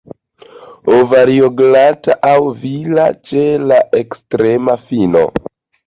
Ovario glata aŭ vila ĉe la ekstrema fino.